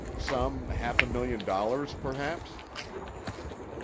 "Some half a million dollars, perhaps."